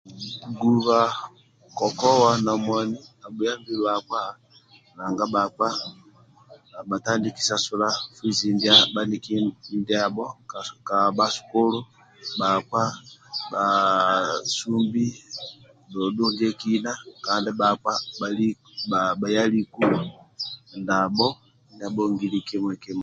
Guba kokowa na mwani abhuyambi bhakpa nanga bhatandiki sasula fizi ndia bhaniki ndiabho ka masukulu bhabhasumbi dhudhu ndiekina kandi bhakpa bhaliki ndabho ndia abhongili kimui